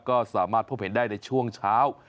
ก็สามารถพบเห็นได้ในช่วงเช้า